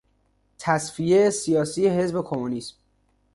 تصفیهی سیاسی حزب کمونیست